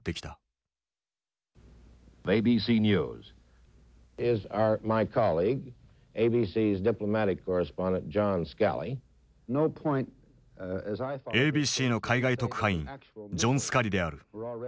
ＡＢＣの海外特派員ジョン・スカリである。